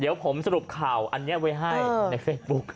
เดี๋ยวผมสรุปข่าวอันนี้ไว้ให้ในเฟซบุ๊ค